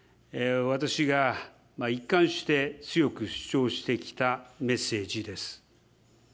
私が一貫して強く主張してきたメッセージです。